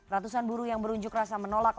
ratusan buruh yang berunjuk rasa menolak